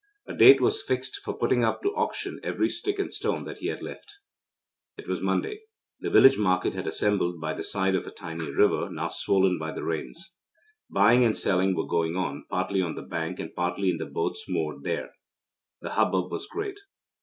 A date was fixed for putting up to auction every stick and stone that he had left. It was Monday. The village market had assembled by the side of a tiny river, now swollen by the rains. Buying and selling were going on, partly on the bank and partly in the boats moored there. The hubbub was great.